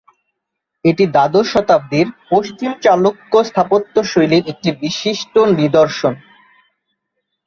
এটি দ্বাদশ শতাব্দীর পশ্চিম চালুক্য স্থাপত্যশৈলীর একটি বিশিষ্ট নিদর্শন।